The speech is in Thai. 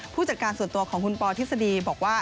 ผู้จัดการส่วนตัวของคุณปอทฤษฎีบอกว่า